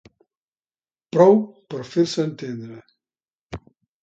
Prou per fer-se entendre.